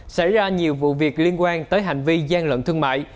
xảy ra nhiều vụ việc liên quan tới hành vi gian lận thương mại